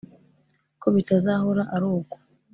ko bitazahora ari uko